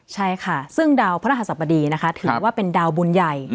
ใช่ค่ะซึ่งดาวพระรหัสบดีนะคะถือว่าเป็นดาวบุญใหญ่